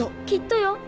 きっとよ。